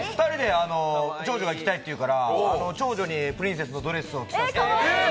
長女が行きたいって言うから長女にプリンセスのドレスを着させて。